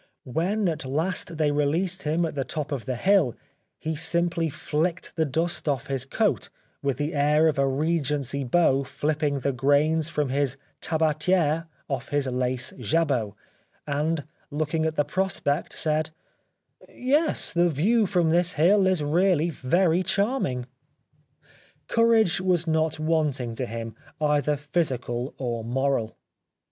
When at last they released him at the top of the hill he simply flicked the dust off his coat with the air of a Regency beau flipping the grains from his tabatiere off his lace jahot, and looking at the prospect said :'' Yes ; the view 138 The Life of Oscar Wilde from this hill is really very charming." Courage was not wanting to him, either physical or moral.